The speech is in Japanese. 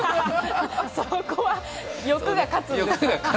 そこは欲が勝つんですね。